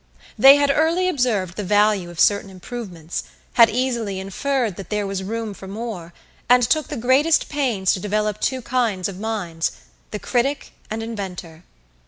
They had early observed the value of certain improvements, had easily inferred that there was room for more, and took the greatest pains to develop two kinds of minds the critic and inventor.